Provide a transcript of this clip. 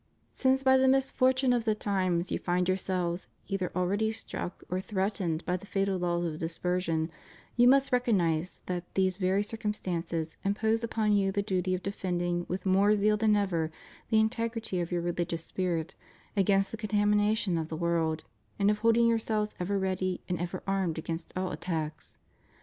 Since by the misfortune of the times, you find yourselves either already struck or threatened by the fatal laws of dispersion you must recognize that these very circumstances impose upon you the duty of defending with more zeal than ever the integrity of your religious spirit against the contamination of the world and of holding yourselves ever ready and ever armed against all attacks.